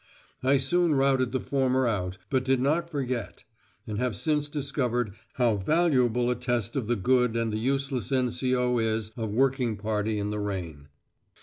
I soon routed the former out, but did not forget; and have since discovered how valuable a test of the good and the useless N.C.O. is a working party in the rain.